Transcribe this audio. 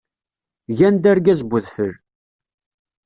Gan-d argaz n udfel.